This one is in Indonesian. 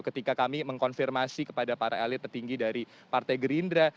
ketika kami mengkonfirmasi kepada para elit petinggi dari partai gerindra